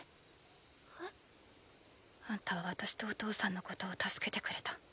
えっ？あんたは私とお父さんのことを助けてくれた。